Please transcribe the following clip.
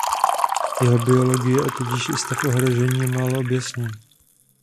Jeho biologie a tudíž i stav ohrožení je málo objasněn.